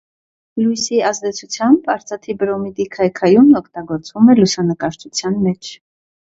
Լույսի ազդեցությամբ արծաթի բրոմիդի քայքայումն օգտագործվում է լուսանկարչության մեջ։